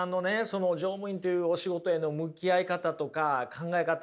その乗務員というお仕事への向き合い方とか考え方